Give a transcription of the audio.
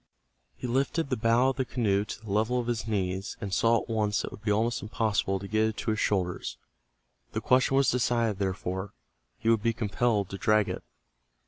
He lifted the how of the canoe to the level of his knees, and saw at once that it would be almost impossible to get it to his shoulders. The question was decided, therefore he would be compelled to drag it.